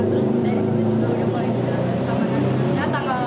terus dari situ juga udah mulai dibales sama nadia